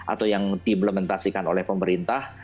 atau yang diimplementasikan oleh pemerintah